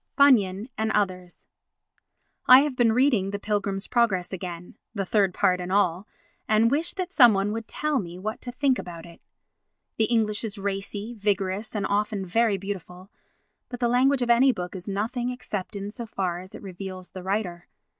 Bunyan and Others I have been reading The Pilgrim's Progress again—the third part and all—and wish that some one would tell one what to think about it. The English is racy, vigorous and often very beautiful; but the language of any book is nothing except in so far as it reveals the writer.